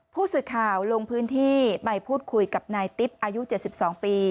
ผู้สื่อข่าวลงพื้นที่ไปพูดคุยกับนายติ๊บอายุ๗๒ปี